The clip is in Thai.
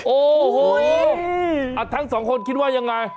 โอ้โหทั้งสองคนคิดว่ายังไง